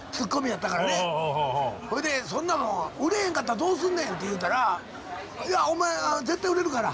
それで「そんなの売れへんかったらどうするねん」って言うたら「いやお前絶対売れるから。